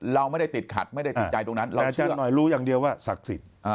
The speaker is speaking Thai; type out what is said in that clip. เราไม่ได้ติดขัดไม่ได้ติดใจตรงนั้นเราเชื่อหน่อยรู้อย่างเดียวว่าศักดิ์สิทธิ์